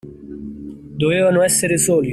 Dovevano essere soli.